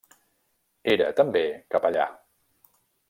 Era, també, capellà.